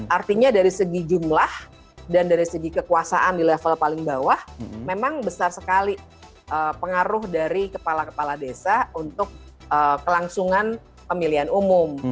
artinya dari segi jumlah dan dari segi kekuasaan di level paling bawah memang besar sekali pengaruh dari kepala kepala desa untuk kelangsungan pemilihan umum